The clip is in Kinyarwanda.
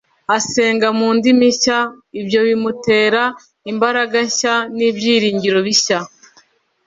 asenga mu ndimi nshya ibyo bimutera imbaraga nshya n’ibyiringiro bishya